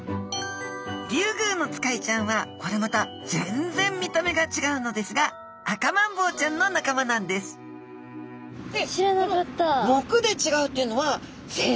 リュウグウノツカイちゃんはこれまた全然見た目が違うのですがアカマンボウちゃんの仲間なんです知らなかった。